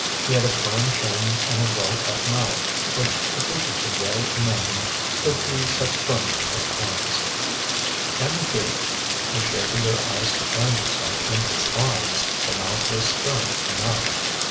He had a firm chin and a well cut mouth, which Patricia could well imagine could be set firmly at times. And, indeed, when she opened her eyes to find herself in his arms, the mouth was stern enough.